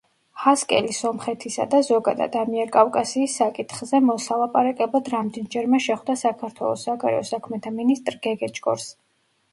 ჰასკელი სომხეთისა, და ზოგადად, ამიერკავკასიის საკითხზე მოსალაპარაკებლად რამდენჯერმე შეხვდა საქართველოს საგარეო საქმეთა მინისტრ გეგეჭკორს.